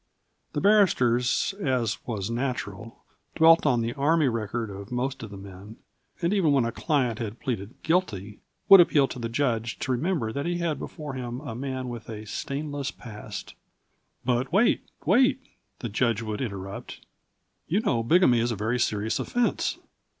The barristers, as was natural, dwelt on the Army record of most of the men, and, even when a client had pleaded guilty, would appeal to the judge to remember that he had before him a man with a stainless past. "But wait, wait," the judge would interrupt; "you know bigamy is a very serious offence."